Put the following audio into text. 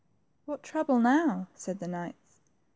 What trouble now ?" said the knights.